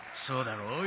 そうだろ？